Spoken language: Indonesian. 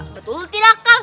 betul tidak kak